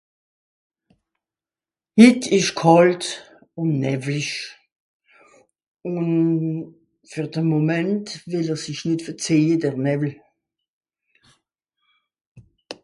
Aujourd'hui il faid froid et brumeux et le brouillard ne veut pas partir